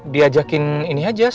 diajakin ini aja sekalian